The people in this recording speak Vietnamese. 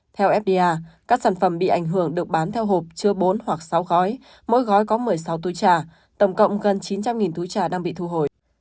theo fda các sản phẩm bị ảnh hưởng được bán theo hộp chứa bốn hoặc sáu gói mỗi gói có một mươi sáu túi trà tổng cộng gần chín trăm linh túi trà đang bị thu hồi